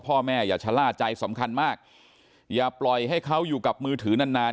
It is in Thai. อย่าชะล่าใจสำคัญมากอย่าปล่อยให้เขาอยู่กับมือถือนานนาน